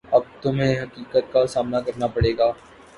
اب تمہیں حقیقت کا سامنا کرنا پڑے گا